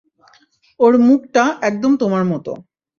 ওর মুখটা একদম তোমার মত।